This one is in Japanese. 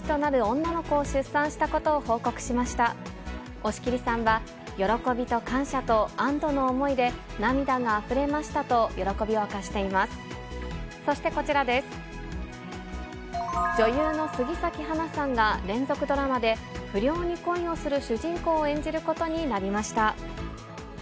女優の杉咲花さんが、連続ドラマで、不良に恋をする主人公を演じることになりました。